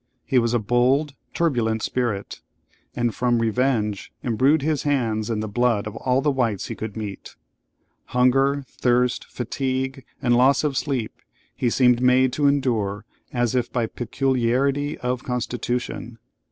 He was a bold, turbulent spirit; and from revenge imbrued his hands in the blood of all the whites he could meet. Hunger, thirst, fatigue, and loss of sleep he seemed made to endure as if by peculiarity of constitution.